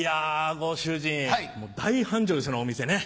ご主人大繁盛ですねお店ね。